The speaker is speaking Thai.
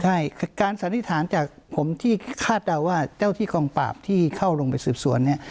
ใช่การสันนิษฐานจากผมที่คาดเดาว่าเจ้าที่กองปราบที่เข้าลงไปสืบสวนเนี่ย